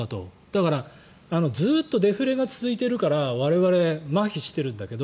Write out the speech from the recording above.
だからずっとデフレが続いてるから我々、まひしてるんだけど。